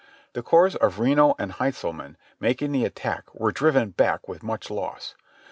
The corps of Reno and Heintzelman, making the attack, were driven back with much loss.